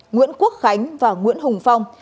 nguyễn quốc khánh và nguyễn hùng phong